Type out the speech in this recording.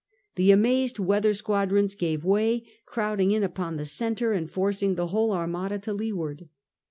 The amazed weather squadrons gave way, crowding in upon the centre, and forcing the whole Armada to leeward.